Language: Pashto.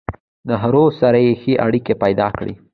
نهرو سره يې ښې اړيکې پېدا کړې